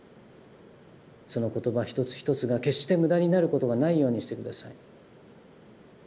その言葉一つ一つが決して無駄になることがないようにして下さい。